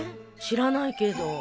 知らないけど。